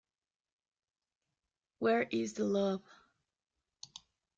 Where is the love?